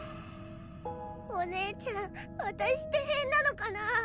お姉ちゃん私って変なのかな？